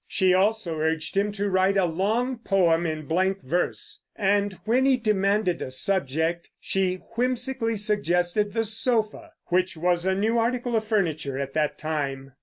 She also urged him to write a long poem in blank verse; and when he demanded a subject, she whimsically suggested the sofa, which was a new article of furniture at that time.